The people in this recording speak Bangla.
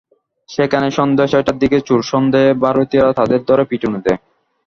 সেখানে সন্ধ্যা ছয়টার দিকে চোর সন্দেহে ভারতীয়রা তাঁদের ধরে পিটুনি দেয়।